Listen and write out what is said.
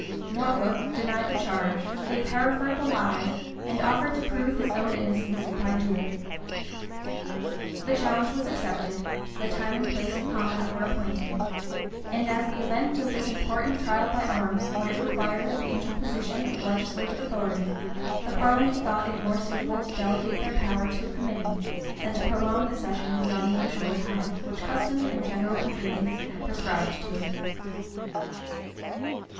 [] Norfolk.. denied the charge, gave Hereford the lie, and offered to prove his own innocence by duel. The challenge was accepted: the time and place of combat were appointed: and as the event of this important trial by arms might require the interposition of legislative authority, the parliament thought it more suitable to delegate their power to a committee, than to prolong the session beyond the usual time which custom and general convenience had prescribed to it.